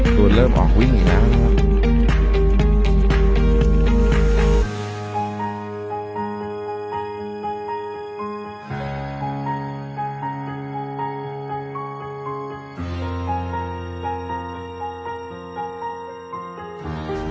ตัวเริ่มออกวิ่งอีกนานครับ